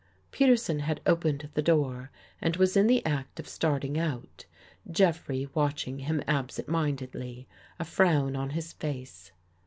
Peterson had opened the door and was in the act of starting out, Jeffrey watching him absent mind edly, a frown on his face.